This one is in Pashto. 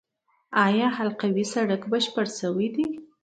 آیا حلقوي سړک بشپړ شوی دی؟